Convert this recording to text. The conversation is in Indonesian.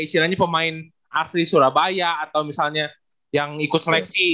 istilahnya pemain asli surabaya atau misalnya yang ikut seleksi